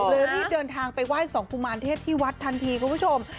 รีบเดินทางไปไหว้สองกุมารเทพที่วัดทันทีคุณผู้ชม